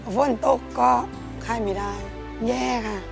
ป่าวพ่นโตก็ขายไม่ได้แย่ค่ะ